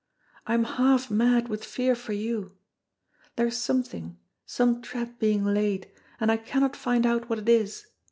I am half mad with fear for you. There is something, some trap being laid, and I cannot find out what it is.